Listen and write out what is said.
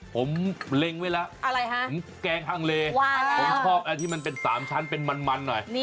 ผมเล็งไว้แล้วแกงฮังเลผมชอบที่มันเป็น๓ชั้นเป็นมันหน่อย